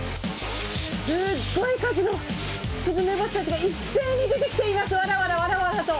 すごい数のスズメバチたちが一斉に出てきています、わらわらわらわらと。